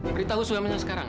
beritahu sulaiman sekarang ya